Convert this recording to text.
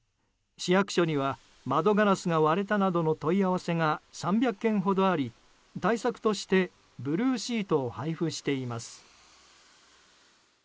市役所には窓ガラスが割れたなどの問い合わせが３００件ほどあり、対策としてブルーシートを配布しています。